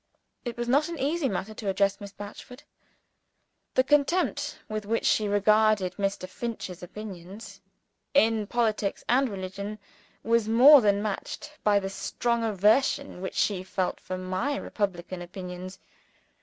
It was not an easy matter to address Miss Batchford. The contempt with which she regarded Mr. Finch's opinions in politics and religion, was more than matched by the strong aversion which she felt for my republican opinions.